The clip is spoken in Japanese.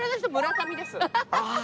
ああ！